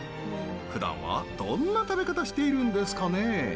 ふだんはどんな食べ方しているんですかね？